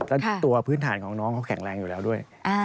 แล้วตัวพื้นฐานของน้องเขาแข็งแรงอยู่แล้วด้วย